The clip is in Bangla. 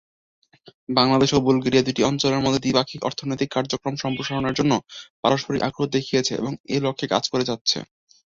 বাংলাদেশ ও বুলগেরিয়া দুটি অঞ্চলের মধ্যে দ্বিপাক্ষিক অর্থনৈতিক কার্যক্রম সম্প্রসারণের জন্য পারস্পরিক আগ্রহ দেখিয়েছে এবং এ লক্ষ্যে কাজ করে যাচ্ছে।